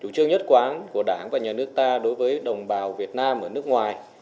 chủ trương nhất quán của đảng và nhà nước ta đối với đồng bào việt nam ở nước ngoài